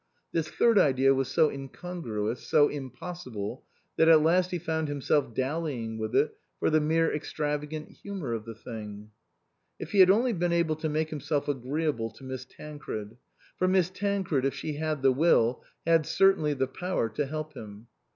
This third idea was so incongruous, so impossible, that at last he found himself dallying with it for the mere extravagant humour of the thing. If he had only been able to make himself agreeable to Miss Tancred for Miss Tancred, if she had the will, had certainly the power to help him.